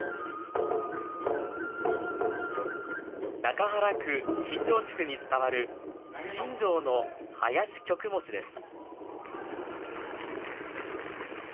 中原区新城地区に伝わる、新城の囃子曲持です。